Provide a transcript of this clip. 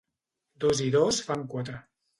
Dos i dos fan quatre